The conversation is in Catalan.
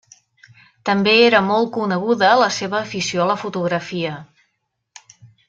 També era molt coneguda la seva afició a la fotografia.